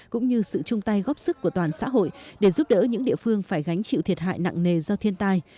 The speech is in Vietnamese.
cũng như sự chung tay góp sức của toàn xã hội để giúp đỡ những địa phương phải gánh chịu thiệt hại nặng nề do thiên tai